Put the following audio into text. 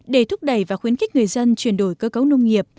để thúc đẩy và khuyến khích người dân chuyển đổi cơ cấu nông nghiệp